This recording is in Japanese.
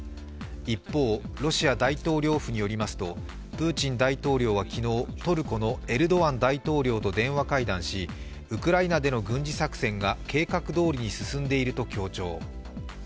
一方、ロシア大統領府によりますとプーチン大統領は昨日、トルコのエルドアン大統領と電話会談し、ウクライナでの軍事作戦が計画どおりに進んでいると強調。